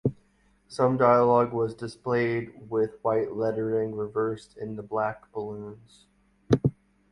Some dialogue was displayed with white lettering reversed into black balloons.